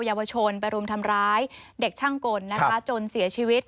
เยาวชนไปรุมทำร้ายเด็กช่างกลนะคะจนเสียชีวิต